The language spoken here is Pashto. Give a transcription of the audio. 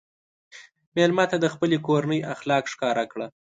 مېلمه ته د خپلې کورنۍ اخلاق ښکاره کړه.